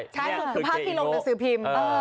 ใช่ภาพที่ลงหนังสือพิมพ์